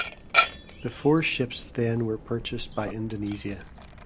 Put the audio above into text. The four ships then were purchased by Indonesia.